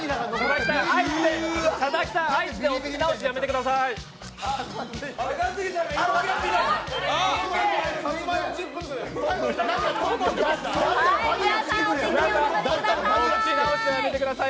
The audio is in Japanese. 佐々木さん、アイスでお口直しやめてください！